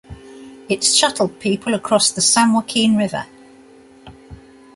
It shuttled people across the San Joaquin River.